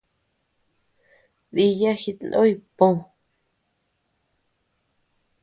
Dìya jitnoy pö.